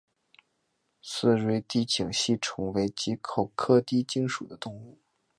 似锥低颈吸虫为棘口科低颈属的动物。